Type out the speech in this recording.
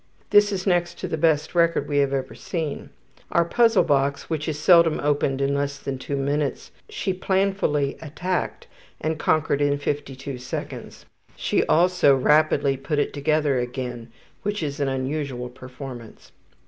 This is next to the best record we have ever seen. Our puzzle box, which is seldom opened in less than 2 minutes, she planfully attacked and conquered in 52 seconds. She also rapidly put it together again, which is an unusual performance.